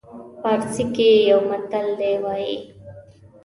پارسي کې یو متل دی وایي.